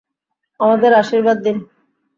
আমাদের আশীর্বাদ দিন।